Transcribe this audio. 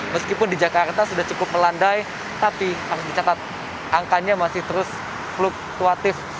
meskipun di jakarta sudah cukup melandai tapi harus dicatat angkanya masih terus fluktuatif